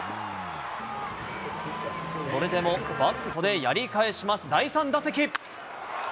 それでもバットでやり返します、第３打席。